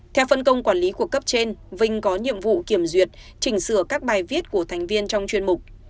theo phân công quản lý của cấp trên vinh có nhiệm vụ kiểm duyệt chỉnh sửa các bài viết của thành viên trong chuyên mục